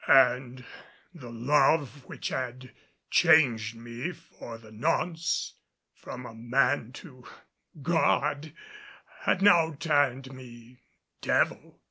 And the love which had changed me for the nonce from man to god had now turned me devil.